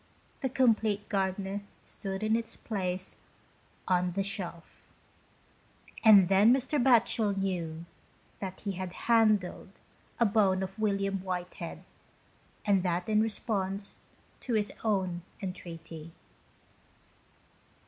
" The Compleat Gard'ner " stood in its place on the shelf. And then Mr. Batchel knew that he had handled a bone of William Whitehead, and that in response to his own entreaty.